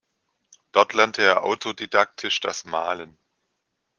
Dort lernte er autodidaktisch das Malen.